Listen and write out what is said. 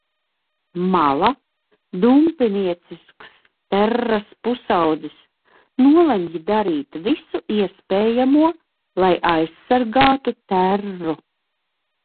Mala, dumpiniecisks Terras pusaudzis, nolemj darīt visu iespējamo, lai aizsargātu Terru.